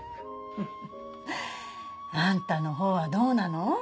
フフっ。あんたの方はどうなの？